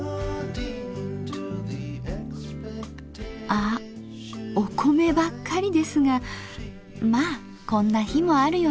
あっお米ばっかりですがまあこんな日もあるよね。